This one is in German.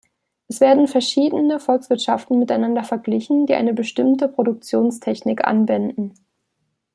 Es werden verschiedene Volkswirtschaften miteinander verglichen, die eine bestimmte Produktionstechnik anwenden.